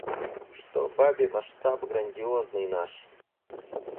Что бабе масштаб грандиозный наш?!